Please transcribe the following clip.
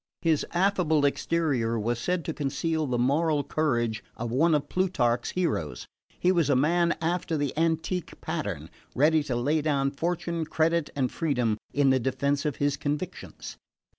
His affable exterior was said to conceal the moral courage of one of Plutarch's heroes. He was a man after the antique pattern, ready to lay down fortune, credit and freedom in the defence of his convictions.